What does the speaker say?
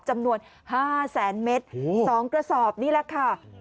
จำนวนห้าแสนเม็ดสองกระสอบนี่แหละค่ะ